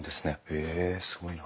へえすごいな。